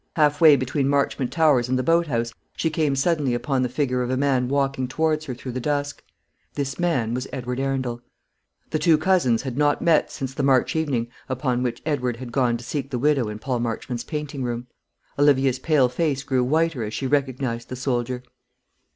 Half way between Marchmont Towers and the boat house she came suddenly upon the figure of a man walking towards her through the dusk. This man was Edward Arundel. The two cousins had not met since the March evening upon which Edward had gone to seek the widow in Paul Marchmont's painting room. Olivia's pale face grew whiter as she recognised the soldier.